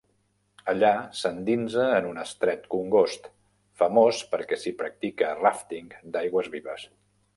Allà s'endinsa en un estret congost, famós perquè s'hi practica ràfting d'aigües vives.